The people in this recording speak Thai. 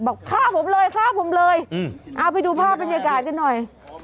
บอกฆ่าผมเลยฆ่าผมเลยเอาไปดูภาพบรรยากาศกันหน่อย